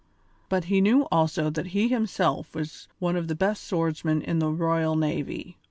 But he knew also that he himself was one of the best swordsmen in the royal navy.